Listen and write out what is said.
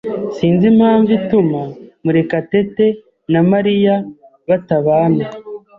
Sinzi impamvu ituma Murekatete na Mariya batabana.